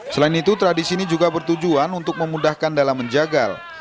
selain itu tradisi ini juga bertujuan untuk memudahkan dalam menjagal